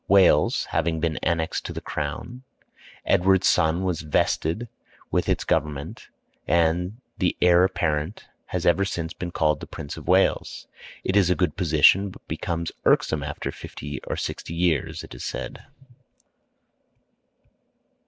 ] Wales having been annexed to the crown, Edward's son was vested with its government, and the heir apparent has ever since been called the Prince of Wales. It is a good position, but becomes irksome after fifty or sixty years, it is said.